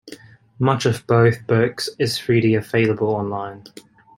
Much of both books is freely available online.